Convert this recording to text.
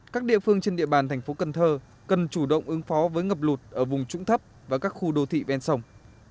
các địa phương trên địa bàn thành phố cần thơ cần chủ động ứng phó với ngập lụt ở vùng trũng thấp và các khu đô thị ven sông